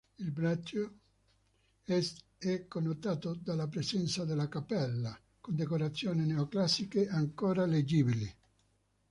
Il braccio Est è connotato dalla presenza della cappella, con decorazioni neoclassiche ancora leggibili.